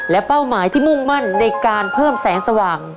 เป้าหมายที่มุ่งมั่นในการเพิ่มแสงสว่าง